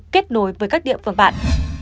kết nối với các địa phương bạn